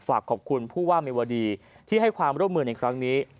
ฝากขอบคุณผู้ว่าเมวดีที่ให้ความร่วมมือในครั้งนี้